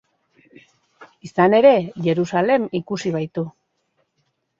Izan ere, Jerusalem ikusi baitu.